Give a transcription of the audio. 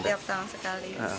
setiap tahun sekali